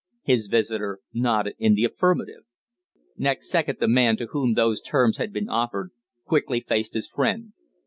His visitor nodded in the affirmative. Next second the man to whom those terms had been offered quickly faced his friend.